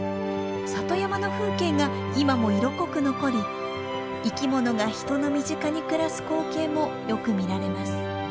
里山の風景が今も色濃く残り生きものが人の身近に暮らす光景もよく見られます。